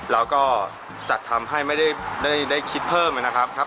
แล้วก็จัดทำให้ไม่ได้คิดเพิ่มนะครับ